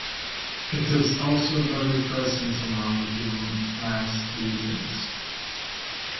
It is also very present among the Mass readings.